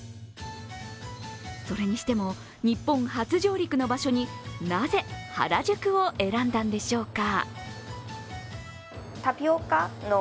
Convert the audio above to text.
それにしても、日本初上陸の場所になぜ原宿を選んだのでしょうか。